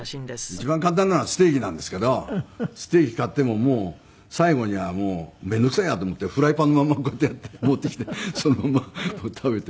一番簡単なのはステーキなんですけどステーキ買ってももう最後には面倒くさいやと思ってフライパンのまんまこうやってやって持ってきてそのまんまこう食べて。